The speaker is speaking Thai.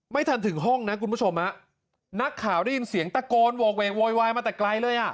ไม่ทันถึงห้องนะคุณผู้ชมฮะนักข่าวได้ยินเสียงตะโกนโหกเวกโวยวายมาแต่ไกลเลยอ่ะ